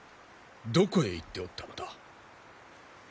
どこへ行っておったのだ？